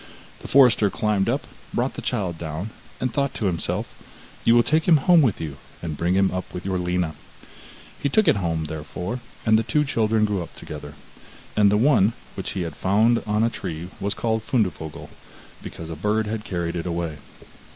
The forester climbed up, brought the child down, and thought to himself: 'You will take him home with you, and bring him up with your Lina.' He took it home, therefore, and the two children grew up together. And the one, which he had found on a tree was called Fundevogel, because a bird had carried it away.